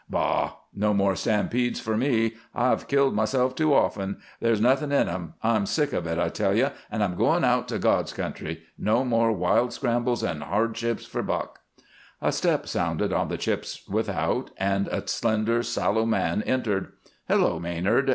"Bah! No more stampedes for me. I've killed myself too often there's nothing in 'em. I'm sick of it, I tell you, and I'm going out to God's country. No more wild scrambles and hardships for Buck." A step sounded on the chips without, and a slender, sallow man entered. "Hello, Maynard!"